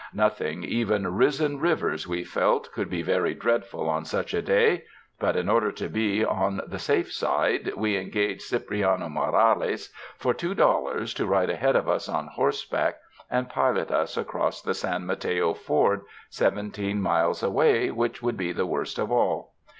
Nothing, even risen rivers, we felt, could be very dreadful on such a day, but in order to be on the safe side, we engaged Cipriano Morales for two dollars to ride ahead of us on horseback and pilot us across the San Mateo ford, seventeen miles away, which would be the worst of all.